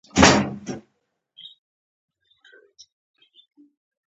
ښارونه د افغانستان د اقلیم یوه ځانګړتیا ده.